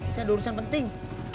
saya ada urusan penting